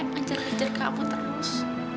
mencari kecil kamu terus